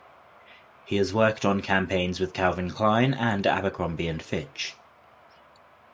He has worked on campaigns with Calvin Klein and Abercrombie and Fitch.